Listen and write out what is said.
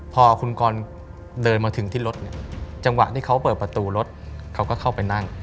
พอคุณกรเดินมาถึงที่รถเนี่ยจังหวะที่เขาเปิดประตูรถเขาก็เข้าไปนั่ง